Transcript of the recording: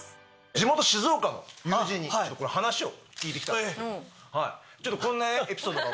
地元静岡の友人に話を聞いてきたんですけどちょっとこんなエピソードが。